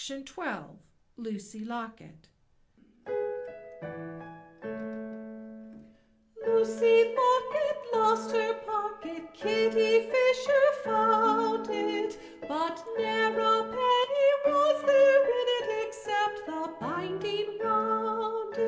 [Illustration: LUCY LOCKET] [Music: Lucy Locket lost her pocket, Kitty Fisher found it; But ne'er a penny was there in't, Except the binding round it.